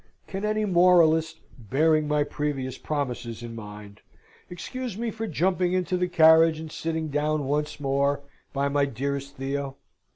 Can any moralist, bearing my previous promises in mind, excuse me for jumping into the carriage and sitting down once more by my dearest Theo?